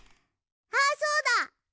あそうだ！